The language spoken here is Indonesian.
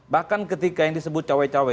bahkan ketika yang disebut cawe cawe